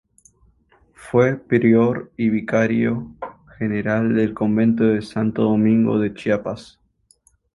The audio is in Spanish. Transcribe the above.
Fue prior y vicario general del convento de Santo Domingo de Chiapas.